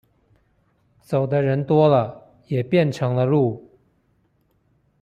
走的人多了，也便成了路